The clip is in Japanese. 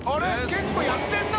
結構やってんな！